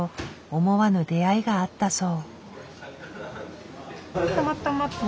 思わぬ出会いがあったそう。